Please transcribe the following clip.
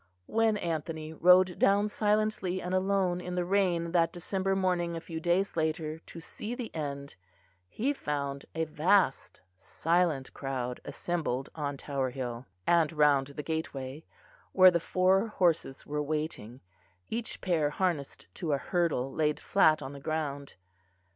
When Anthony rode down silently and alone in the rain that December morning a few days later, to see the end, he found a vast silent crowd assembled on Tower Hill and round the gateway, where the four horses were waiting, each pair harnessed to a hurdle laid flat on the ground.